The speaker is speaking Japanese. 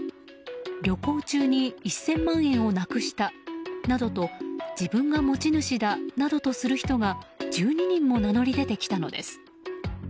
旅行中に１０００万円をなくしたなどと自分が持ち主だなどとする人が１２人も名乗り出てきたのです。